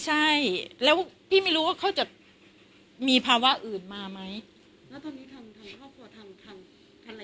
ใช่แล้วพี่ไม่รู้ว่าเขาจะมีภาวะอื่นมาไหมแล้วตอนนี้ทางทางครอบครัวทางทาง